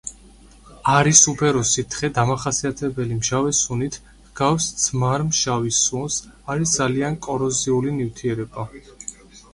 არის უფერო სითხე დამახასიათებელი მჟავე სუნით, ჰგავს ძმარმჟავის სუნს, არის ძალიან კოროზიული ნივთიერება.